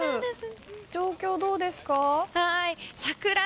状況、どうですか？